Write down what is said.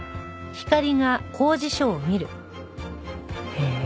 へえ。